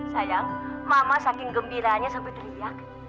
sayang mama saking gembiranya sampai teriak